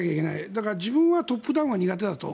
だから自分はトップダウンは苦手だと。